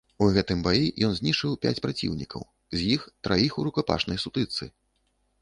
У гэтым баі ён знішчыў пяць праціўнікаў, з іх траіх у рукапашнай сутычцы.